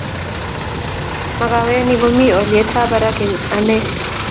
Makaweni komi olyetab barak eng ane